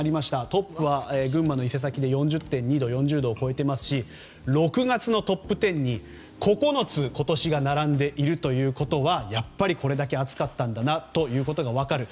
トップは群馬の伊勢崎で４０．２度と４０度を超えてますし６月のトップ１０に９つ、今年が並んでいるということはやっぱりこれだけ暑かったんだなということが分かる。